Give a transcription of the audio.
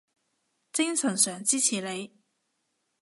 精神上支持你